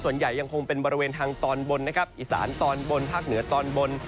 ส่วนใหญ่ยังคงเป็นบรรเวณทางตอนบนอิศานตอนบนภาคเหนือตอนบน